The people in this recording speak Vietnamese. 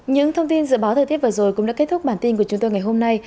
những thông tin dự báo thời tiết vừa rồi cũng đã kết thúc bản tin của chúng tôi ngày hôm nay